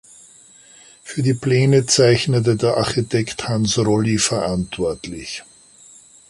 Für die Pläne zeichnete der Architekt Hans Rolli verantwortlich.